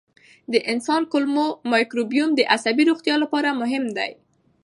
د انسان کولمو مایکروبیوم د عصبي روغتیا لپاره مهم دی.